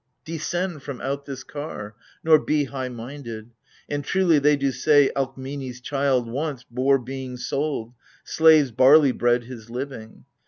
Descend from out this car, nor be high minded ! And truly they do say Alkmene's child once Bore being sold, slaves' bailey bread his living.